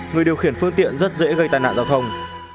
người điều khiển phương tiện rất dễ gây tai nạn giao thông